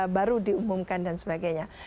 baru diumumkan dan sebagainya